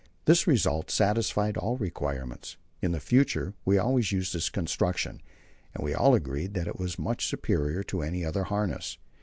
The result satisfied all requirements; in future we always used this construction, and we all agreed that it was much superior to any other harness.